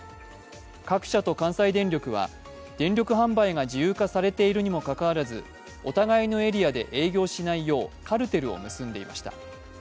各社と関西電力は電力販売が自由化されているにもかかわらずお互いのエリアで営業しないようカルテルを結んでいました。